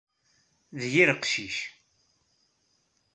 D yir weqcic.